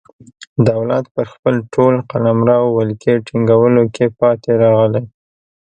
دولت پر خپل ټول قلمرو ولکې ټینګولو کې پاتې راغلی.